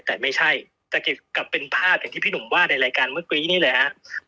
แต่ไม่ใช่แต่เกี่ยวกับเป็นภาพอย่างที่พี่หนุ่มว่าในรายการเมื่อกี้นี่แหละฮะ